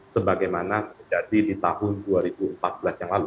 sebagaimana jadi di tahun dua ribu empat belas yang lalu